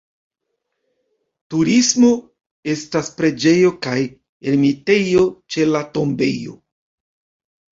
Turismo: estas preĝejo kaj ermitejo ĉe la tombejo.